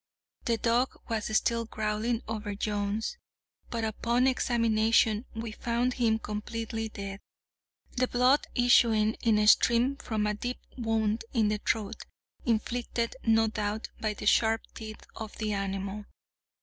The dog was still growling over Jones; but, upon examination, we found him completely dead, the blood issuing in a stream from a deep wound in the throat, inflicted, no doubt, by the sharp teeth of the animal.